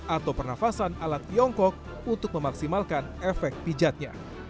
atau pernafasan ala tiongkok untuk memaksimalkan efek pijatnya